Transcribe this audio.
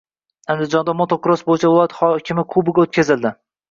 Andijonda motokross bo‘yicha “Viloyat hokimi kubogi” o‘tkazildi